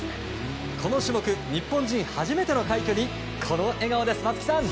この種目、日本人初めての快挙にこの笑顔です、松木さん！